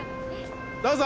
どうぞ！